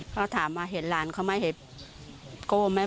เขาถามว่าเห็นหลานเขาไหมโก้ไหม